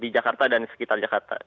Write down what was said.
di jakarta dan sekitar jakarta